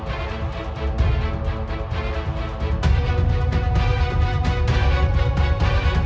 ผมก็ไม่รู้ภาษาเลือกนี้เลยนะครับ